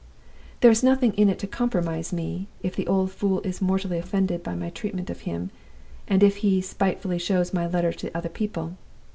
There is nothing in it to compromise me, if the old fool is mortally offended by my treatment of him, and if he spitefully shows my letter to other people.